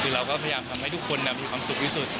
คือเราก็พยายามทำให้ทุกคนมีความสุขที่สุด